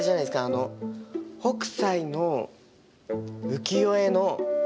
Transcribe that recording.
あの北斎の浮世絵の。